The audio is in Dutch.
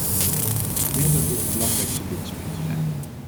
Ik denk dat dit de belangrijkste winstpunten zijn.